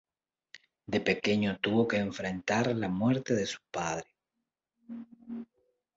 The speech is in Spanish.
De pequeño tuvo que enfrentar la muerte de su padre.